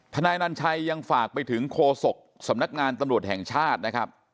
นายนัญชัยยังฝากไปถึงโคศกสำนักงานตำรวจแห่งชาตินะครับ